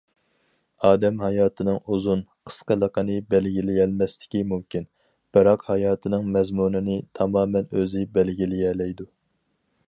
ئادەم ھاياتىنىڭ ئۇزۇن- قىسقىلىقىنى بەلگىلىيەلمەسلىكى مۇمكىن، بىراق ھاياتنىڭ مەزمۇنىنى تامامەن ئۆزى بەلگىلىيەلەيدۇ.